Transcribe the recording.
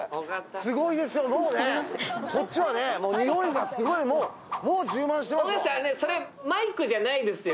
すごいですよ、もうね、こちらにおいがすごい、もう充満してますよ。